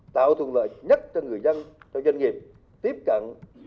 tạo thuận lợi nhất cho người dân cho doanh nghiệp tiếp cận